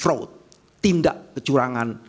fraud tindak kecurangan